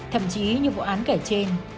thậm chí như vụ án kể trên